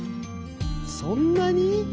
そんなに？